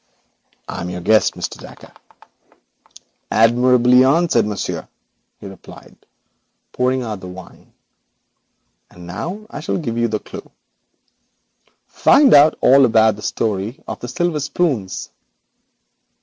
'I am your guest, Mr. Dacre.' 'Admirably answered, monsieur,' he replied, pouring out the wine, 'and now I offer you a clue. Find out all about the story of the silver spoons.'